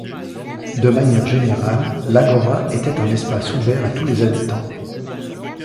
De manière générale, l'agora était un espace ouvert à tous les habitants.